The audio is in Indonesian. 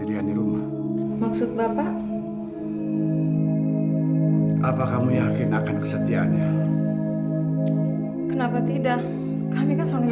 lalu kita weekend puncak ma